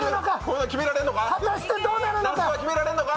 決められるのか？！